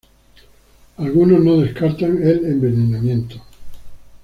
Algunos no descartan el envenenamiento.